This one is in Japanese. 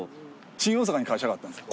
新大阪に会社があったんですよ。